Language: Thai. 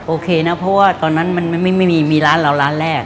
โอเคนะเพราะว่าตอนนั้นมันไม่มีมีร้านเราร้านแรก